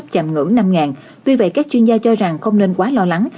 chạm ngưỡng năm tuy vậy các chuyên gia cho rằng không nên quá lo lắng